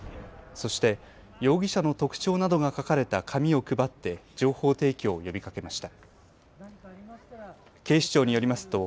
そして容疑者の特徴などが書かれた紙を配って情報提供を呼びかけました。